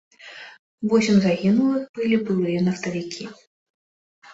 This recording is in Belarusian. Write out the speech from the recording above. Восем загінулых былі былыя нафтавікі.